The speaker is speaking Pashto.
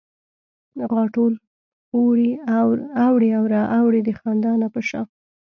غاټول اوړي او را اوړي د خندا نه په شا